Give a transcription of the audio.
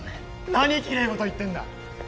何きれいごと言ってんだ